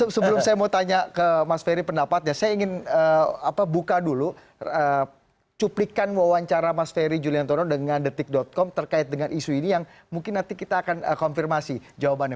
sebelum saya mau tanya ke mas ferry pendapatnya saya ingin buka dulu cuplikan wawancara mas ferry juliantono dengan detik com terkait dengan isu ini yang mungkin nanti kita akan konfirmasi jawabannya